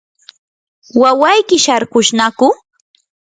¿wawayki sharkushnaku?